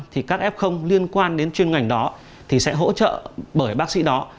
thì các f liên quan đến chuyên ngành đó thì sẽ hỗ trợ bởi bác sĩ đó